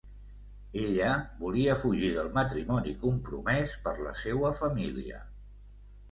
Ella volia fugir del matrimoni compromés per la seua família...